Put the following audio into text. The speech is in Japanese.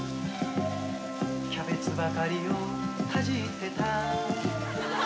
「キャベツばかりをかじってた」